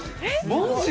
マジ？